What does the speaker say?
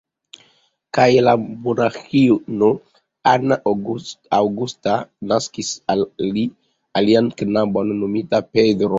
Kaj la monaĥino Ana Augusta naskis al li alian knabon nomita Pedro.